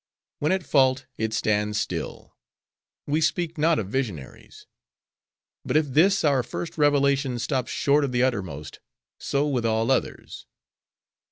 When at fault, it stands still. We speak not of visionaries. But if this our first revelation stops short of the uttermost, so with all others.